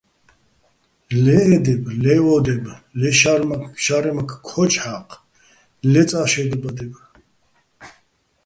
ლე ე დებ, ლე ო დებ, ლე შა́რემაქ ქო́ჯო̆ ჰ̦ა́ჴ, ლე წა შე́გლბადებ.